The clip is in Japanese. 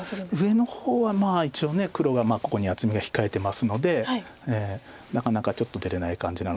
上の方は一応黒がここに厚みが控えてますのでなかなかちょっと出れない感じなので。